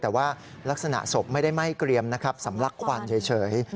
แต่ว่าลักษณะศพไม่ได้ไหม้เกรียมนะครับสำลักควันเฉย